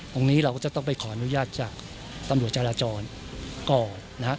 ตรงนี้เราก็จะต้องไปขออนุญาตจากตำรวจจราจรก่อนนะฮะ